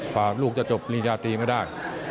ว่าลูกจะจบรีญญาตรีไม่ได้